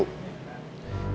yang bikin kita berdua